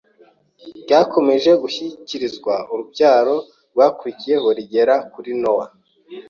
ryakomeje gushyikirizwa urubyaro rwakurikiyeho rigera kuri Nowa,